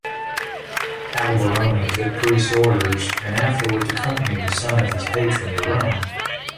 Alberoni took priest's orders, and afterwards accompanied the son of his patron to Rome.